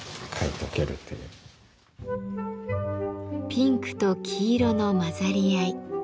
ピンクと黄色の混ざり合い。